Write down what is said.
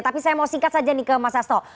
tapi saya mau singkat saja nih ke mas asto